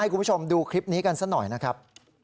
คุณผู้ชมดูคลิปนี้กันซะหน่อยนะครับ